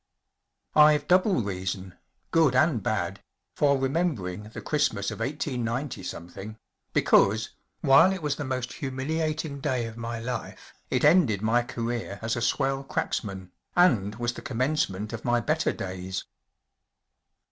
’VE double reason‚ÄĒgood and bad ‚ÄĒ for remembering the Christmas oF 189‚ÄĒ, because, while it was the most humili ating day of my life, it ended my career as a swell cracks¬ man, and was the commencement of my better days.